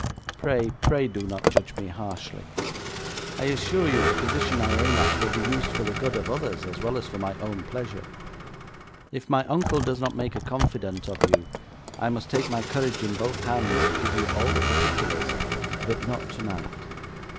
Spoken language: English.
Pray, pray do not judge me harshly. I assure you the position I aim at will be used for the good of others as well as for my own pleasure. If my uncle does not make a confidant of you, I must take my courage in both hands, and give you all the particulars, but not tonight.